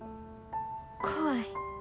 怖い。